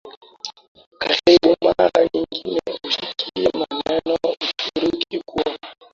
karibu Mara nyingi husikia maneno Uturuki Kubwa